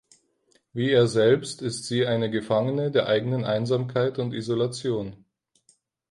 Wie er selbst ist sie eine Gefangene der eigenen Einsamkeit und Isolation.